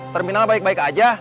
terminal baik baik aja